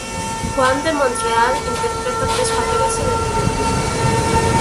Juan de Montreal interpreta tres papeles en el videoclip.